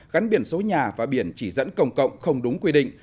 gắn biển số nhà và biển chỉ dẫn công cộng không đúng quy định